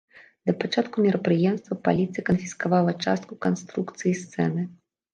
Да пачатку мерапрыемства паліцыя канфіскавала частку канструкцыі сцэны.